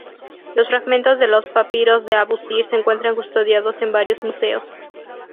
Los fragmentos de los Papiros de Abusir se encuentran custodiados en varios museos.